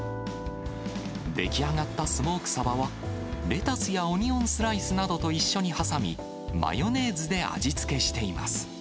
出来上がったスモークサバは、レタスやオニオンスライスなどと一緒に挟み、マヨネーズで味付けしています。